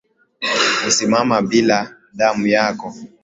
Kusimama bila damu yako